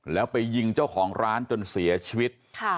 แล้วไปยิงเจ้าของร้านจนเสียชีวิต